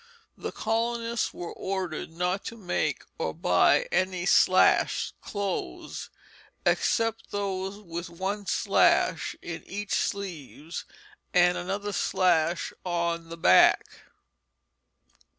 The colonists were ordered not to make or buy any slashed clothes, except those with one slash in each sleeve and another slash in the back.